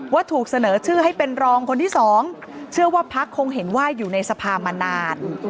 ถูกเสนอชื่อให้เป็นรองคนที่สองเชื่อว่าพักคงเห็นว่าอยู่ในสภามานาน